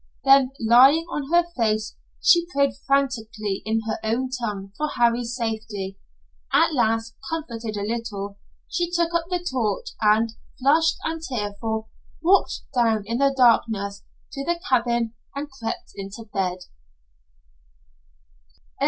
Then, lying on her face, she prayed frantically in her own tongue for Harry's safety. At last, comforted a little, she took up the torch and, flushed and tearful, walked down in the darkness to the cabin and crept into bed.